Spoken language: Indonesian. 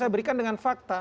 berikan dengan fakta